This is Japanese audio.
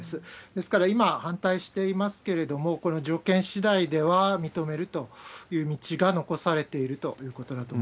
ですから今は反対していますけれども、これは条件しだいでは認めるという道が残されているということだ